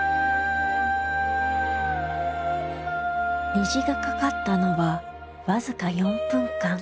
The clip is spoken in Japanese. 虹がかかったのは僅か４分間。